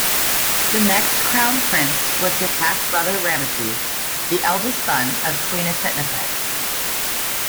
The next crown prince was his half-brother Ramesses, the eldest son of Queen Isetnofret.